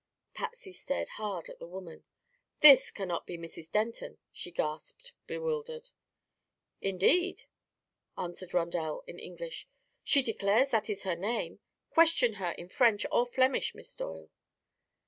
Patsy stared hard at the woman. "This cannot be Mrs. Denton," she gasped, bewildered. "Indeed?" answered Rondel in English. "She declares that is her name. Question her in French or Flemish, Miss Doyle."